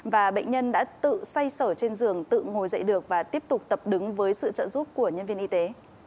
và bệnh nhân đã tự xoay sở trên giường tự ngồi dậy được và tiếp tục tập đứng với sự trợ giúp của nhân viên y tế